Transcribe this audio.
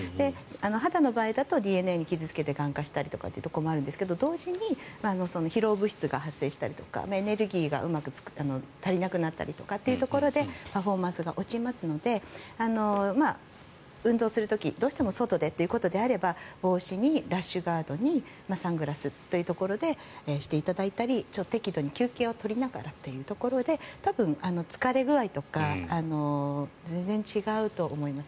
肌の場合だとＤＮＡを傷付けてがん化するということもあるんですが同時に疲労物質が発生したりとかエネルギーが足りなくなったりとかというところでパフォーマンスが落ちますので運動する時、どうしても外でということであれば帽子にラッシュガードにサングラスということでしていただいたり、適度に休憩を取りながらというところで多分、疲れ具合とか全然違うと思います。